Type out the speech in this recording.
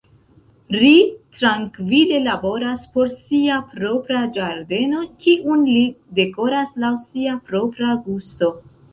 Ri trankvile laboras por sia propra ĝardeno, kiun li dekoras laŭ sia propra gusto.